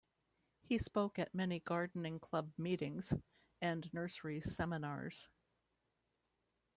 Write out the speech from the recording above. He spoke at many gardening club meetings and nursery seminars.